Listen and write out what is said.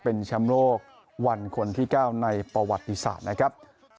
เป็นแชมป์โลกวันคนที่๙ในประวัติศาสตร์นะครับ